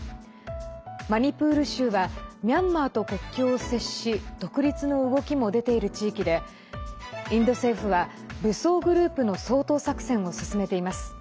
マニプール州はミャンマーと国境を接し独立の動きも出ている地域でインド政府は武装グループの掃討作戦を進めています。